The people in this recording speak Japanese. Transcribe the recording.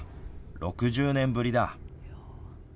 ６０年ぶりだ。